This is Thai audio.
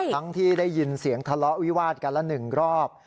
ทั้งที่ได้ยินเสียงทะเลาะวิวาดกันละ๑รอบ